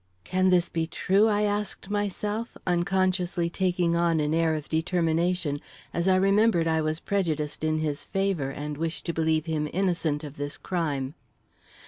"Can this be true?" I asked myself, unconsciously taking on an air of determination, as I remembered I was prejudiced in his favor, and wished to believe him innocent of this crime.